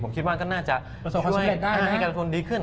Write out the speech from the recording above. ผมคิดว่าก็น่าจะช่วยให้การลงทุนดีขึ้น